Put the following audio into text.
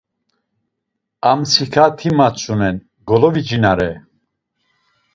Amtsika ti matzunen, golovicinare.